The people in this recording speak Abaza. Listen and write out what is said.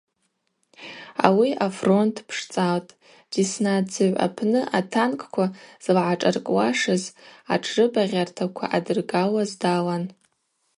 Ауи афронт дпшцӏалтӏ, Десна дзыгӏв апны атанкква злагӏашӏаркӏуашыз атшрыбагъьартаква ъадыргылуаз далан.